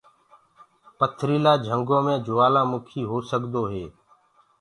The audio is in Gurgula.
پٿريٚلآ جنلو مي جوآلآ مُڪي هوڪسدو هي۔